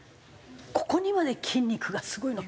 ここにまで筋肉がすごいのか。